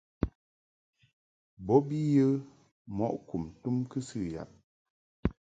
Bo bi yə mɔʼ kum tum kɨsɨ yab.